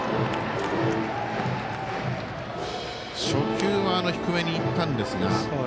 初球は低めに行ったんですが。